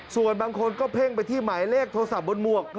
ส่วนบางคนก็เพ่งไปที่หมายเลขโทรศัพท์บนหมวก